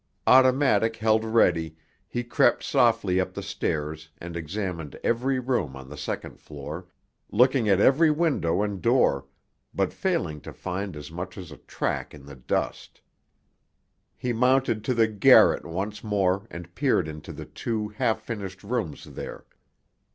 Automatic held ready, he crept softly up the stairs and examined every room on the second floor, looking at every window and door, but failing to find as much as a track in the dust. He mounted to the garret once more and peered into the two half finished rooms there.